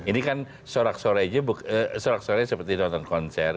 ini kan sorak sore seperti nonton konser